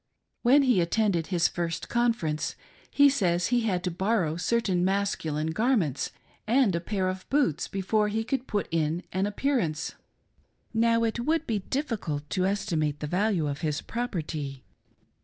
When he attended his first Conference, he says he had to borrow certain mascu line garments and a pair of boots before he could put in an appearance. Now it would be difficult to estimate the value of his.property.